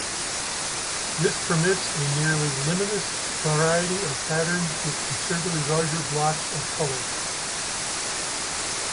This permits a nearly limitless variety of patterns with considerably larger blocks of colour.